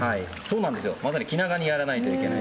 まさに気長にやらないといけない。